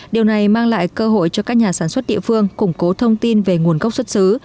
điều này mang lại cơ hội cho các nhà sản xuất địa phương củng cố thông tin về nguồn gốc xuất xứ